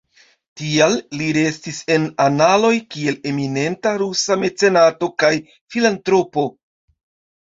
Tial li restis en analoj kiel eminenta rusa mecenato kaj filantropo.